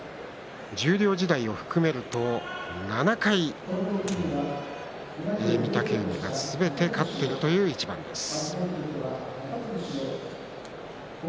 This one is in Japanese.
十両時代を含めると７回御嶽海がすべて勝っているという一番です。